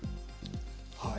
はい。